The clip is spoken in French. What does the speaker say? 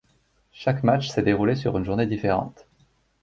Chaque match s'est déroulé sur une journée différente.